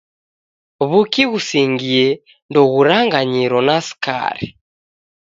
W'uki ghusingie ndoghuranganyiro na skari